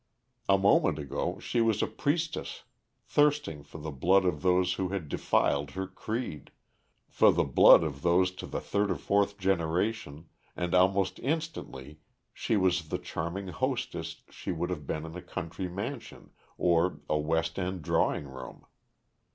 A moment ago she was a priestess thirsting for the blood of those who had defiled her creed, for the blood of those to the third or fourth generation, and almost instantly she was the charming hostess she would have been in a country mansion or a West End drawing room.